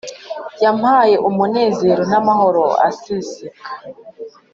Yampaye umunezero n’amahoro aseseka